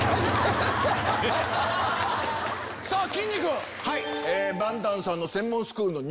さぁきんに君。